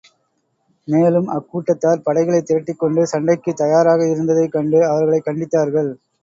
மேலும், அக்கூட்டத்தார் படைகளைத் திரட்டிக் கொண்டு சண்டைக்குத் தயாராக இருந்ததைக் கண்டு, அவர்களைக் கண்டித்தார்கள்.